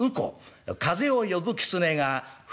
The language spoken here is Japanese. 風を呼ぶ狐が風狐。